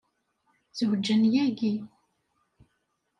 Zewjen yagi.